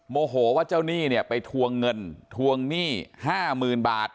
โมโหว่าเจ้าหนี้เนี่ยไปทวงเงินทวงหนี้๕๐๐๐บาท